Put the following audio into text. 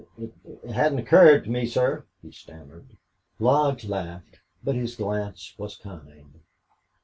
"It that hadn't occurred to me, sir," he stammered. Lodge laughed, but his glance was kind.